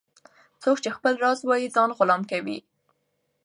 - څوک چي خپل راز وایې ځان غلام کوي.